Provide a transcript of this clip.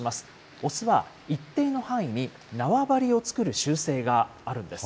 雄は一定の範囲に縄張りを作る習性があるんです。